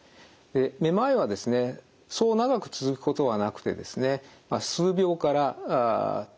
めまいはですねそう長く続くことはなくてですね